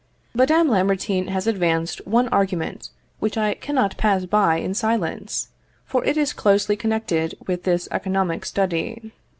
But M. Lamartine has advanced one argument which I cannot pass by in silence, for it is closely connected with this economic study.